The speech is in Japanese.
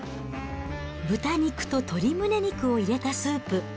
豚肉と鶏むね肉を入れたスープ。